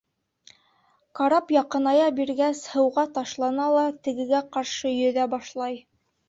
Карап яҡыная биргәс, һыуға ташлана ла тегегә ҡаршы йөҙә башлай.